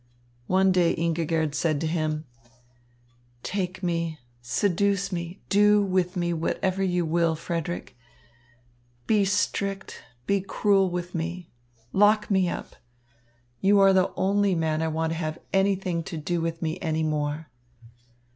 One day Ingigerd said to him: "Take me, seduce me, do with me whatever you will, Frederick. Be strict, be cruel with me. Lock me up. You are the only man I want to have anything to do with me any more."